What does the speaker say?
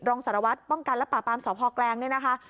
รองสารวัตรป้องกันและปราปามสพแกลงเนี่ยนะคะ